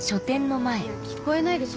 いや聞こえないでしょ。